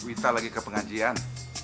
wita lagi ke pengajian